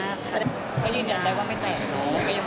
บ้านยังไม่แทน